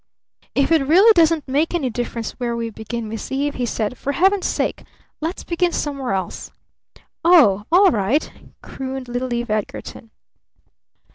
"If it really doesn't make any difference where we begin, Miss Eve," he said, "for Heaven's sake let's begin somewhere else!" "Oh all right," crooned little Eve Edgarton.